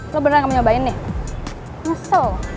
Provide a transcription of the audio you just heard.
lo bener gak mau nyobain nih ngesel